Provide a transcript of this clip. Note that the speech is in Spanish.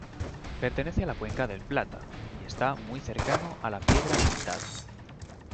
Pertenece a la Cuenca del Plata y está muy cercano a la Piedra Pintada.